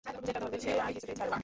যেটা ধরবে সে আর কিছুতেই ছাড়বে না!